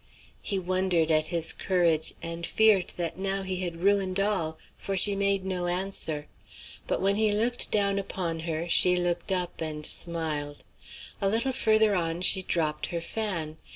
He wondered at his courage, and feared that now he had ruined all; for she made no answer. But when he looked down upon her she looked up and smiled. A little farther on she dropped her fan.